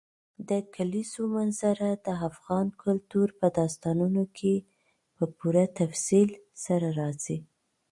د کلیزو منظره د افغان کلتور په داستانونو کې په پوره تفصیل سره راځي.